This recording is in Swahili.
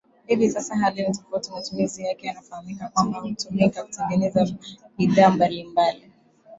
Hivi sasa hali ni tofauti matumizi yake yanafahamika kwamba hutumika kutengeneza bidhaa mbali mbali